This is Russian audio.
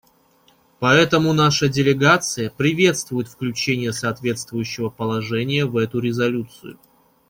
Поэтому наша делегация приветствует включение соответствующего положения в эту резолюцию.